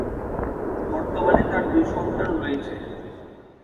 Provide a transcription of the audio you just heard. বর্তমানে তার দুই সন্তান রয়েছে।